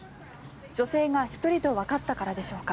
女性が１人とわかったからでしょうか。